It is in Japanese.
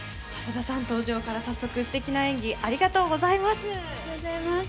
登場から早速、すてきな演技ありがとうございます。